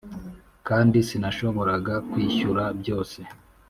kandi sinashoboraga kwishyura byose.